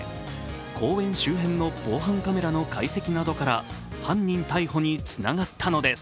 公園周辺の防犯カメラの解析などから犯人逮捕につながったのです。